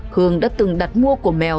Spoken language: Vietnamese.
hương đã từng đặt mua của mèo